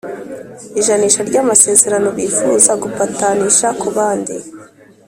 ijanisha ry amasezerano bifuza gupatanisha ku bandi